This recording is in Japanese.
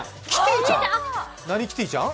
キティちゃん！